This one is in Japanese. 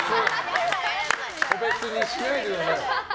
個別にしないでください。